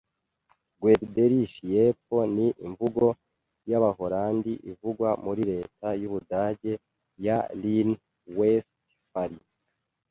Guelderish yepfo ni imvugo y’Abaholandi ivugwa muri leta y’Ubudage ya Rhine-Westphalie